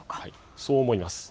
そう思います。